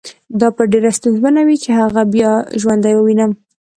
دا به ډېره ستونزمنه وي چې هغه دې بیا ژوندی ووینم